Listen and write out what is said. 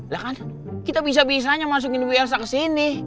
lah kan kita bisa bisanya masukin bu elsa ke sini